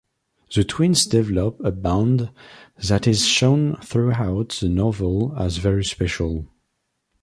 The twins develop a bond that is shown throughout the novel as very special.